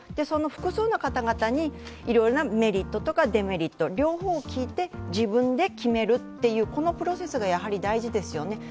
その複数の方々にいろいろなメリットとかデメリットの両方を聞いて自分で決めるというこのプロセスが大事ですよね。